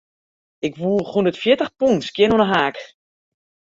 Ik woech hûndertfjirtich pûn skjin oan 'e heak.